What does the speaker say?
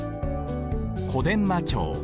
「小伝馬町」。